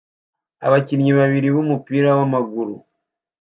Abakinnyi babiri b'umupira w'amaguru